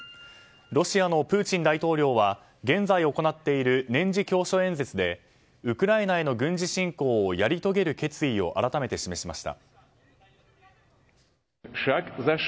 ロシアのプーチン大統領は現在行っている年次教書演説でウクライナへの軍事侵攻をやり遂げる決意を改めて示しました。